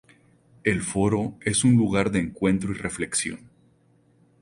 El foro es un lugar de encuentro y reflexión.